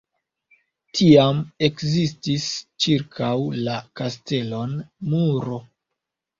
Tiam ekzistis ĉirkaŭ la kastelon muro.